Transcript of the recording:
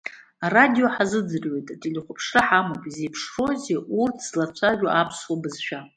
Арадио ҳазыӡырҩуеит, ателехәаԥшра ҳамоуп изеиԥшроузеи урҭ злацәажәо аԥсуа бызшәа?